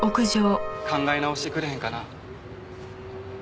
考え直してくれへんかな？